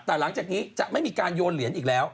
แต่หลังจากนี้จะไม่มีการโยนเหรียญอีกแล้ว